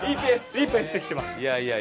いいペースできてます。